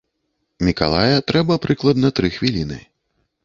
Мікалая трэба прыкладна тры хвіліны.